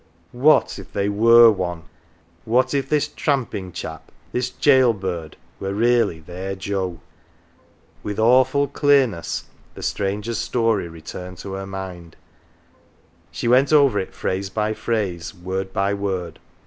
What if they were one ? What if this " tramping chap," this jail bird, were really their Joe ? With awful clearness the stranger's story returned to her mind : she went over it phrase by phrase, word by word.